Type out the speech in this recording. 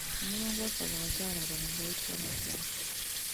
Omulongo Wasswa bw'azaala abalongo ayitibwa atya?